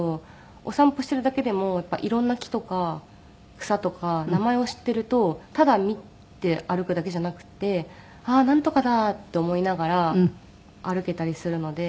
お散歩しているだけでもやっぱり色んな木とか草とか名前を知っているとただ見て歩くだけじゃなくて「あっなんとかだ」って思いながら歩けたりするので。